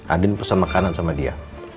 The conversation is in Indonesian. andi pesen makanan sama dia